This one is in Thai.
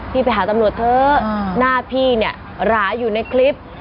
ไปหาตำรวจเถอะหน้าพี่เนี่ยหราอยู่ในคลิป